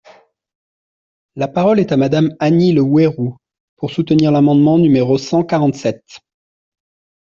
La parole est à Madame Annie Le Houerou pour soutenir l’amendement numéro cent quarante-sept.